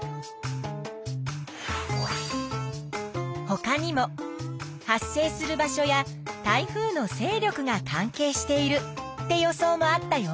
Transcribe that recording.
ほかにも発生する場所や台風のせい力が関係しているって予想もあったよ。